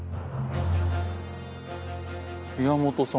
宮本さん